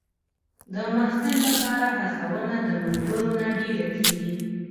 د محصل لپاره هڅونه د ملګرو نه ډېره کېږي.